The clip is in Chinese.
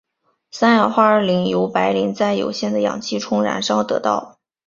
三氧化二磷由白磷在有限的氧气中燃烧得到。